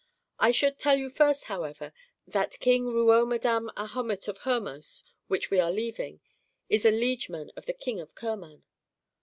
I should tell you first, however, that King Ruomedam Ahomet of Hormos, which we are leaving, is a liegeman of the King of Kerman.'